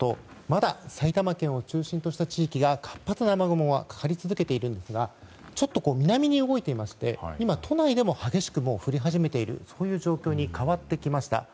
まだ埼玉県を中心とした地域に活発な雨雲がかかり続けているんですがちょっと南に動いていまして今、都内でも激しく降り始めている状況に変わってきました。